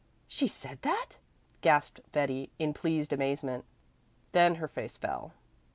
"She said that!" gasped Betty in pleased amazement. Then her face fell.